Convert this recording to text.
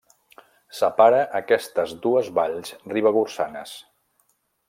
Separa aquestes dues valls ribagorçanes.